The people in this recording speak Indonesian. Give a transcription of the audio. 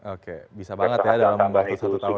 oke bisa banget ya dalam waktu satu tahun